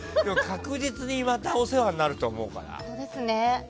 確実にまたお世話になると思うから。